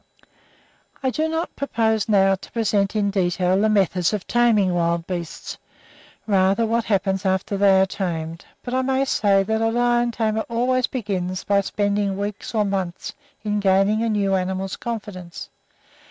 I do not purpose now to present in detail the methods of taming wild beasts; rather what happens after they are tamed: but I may say that a lion tamer always begins by spending weeks or months in gaining a new animal's confidence.